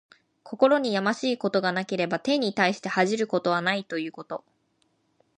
心にやましいことがなければ、天に対して恥じることはないということ。